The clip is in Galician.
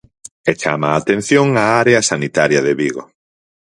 E chama a atención a área sanitaria de Vigo.